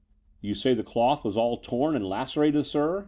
*'You say the cloth was all torn and lacerated, sir?"